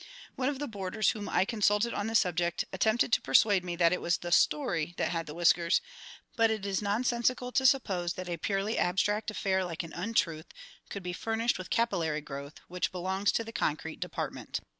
One of the boarders whom I consulted on the subject attempted to persuade me that it was the story that had the whiskers; but it is nonsensical to suppose that a purely abstract affair like an untruth could be furnished with capillary growth, which belongs to the concrete department.